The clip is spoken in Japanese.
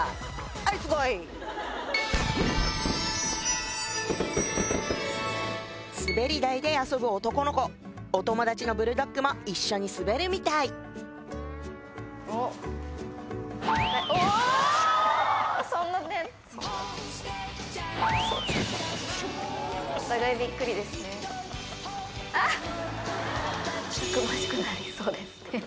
あいすごいすべり台で遊ぶ男の子お友達のブルドッグも一緒に滑るみたいですね